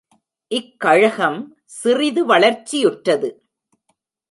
இக் கழகம் சிறிது வளர்ச்சியுற்றது.